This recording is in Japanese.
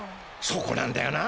そこなんだよな。